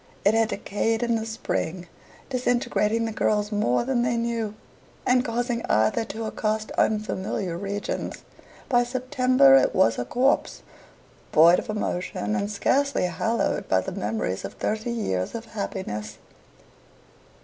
It had decayed in the spring, disintegrating the girls more than they knew, and causing either to accost unfamiliar regions. By September it was a corpse, void of emotion, and scarcely hallowed by the memories of thirty years of happiness.